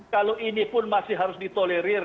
kalau ini pun masih harus ditolerir